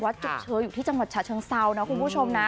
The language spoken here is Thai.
จุดเชออยู่ที่จังหวัดฉะเชิงเซานะคุณผู้ชมนะ